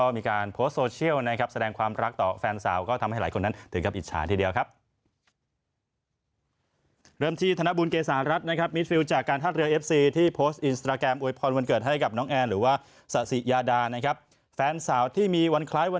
มีการโพสต์โซเชียลแสดงแรกต่อแฟนสาว